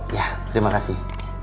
ya terima kasih